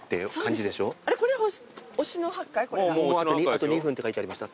あと２分って書いてありました。